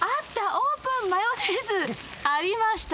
オープンマヨネーズ！ありました。